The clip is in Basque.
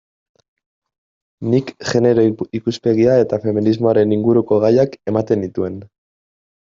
Nik genero ikuspegia eta feminismoaren inguruko gaiak ematen nituen.